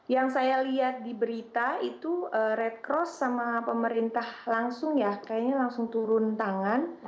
yang saya lihat di berita itu red cross sama pemerintah langsung ya kayaknya langsung turun tangan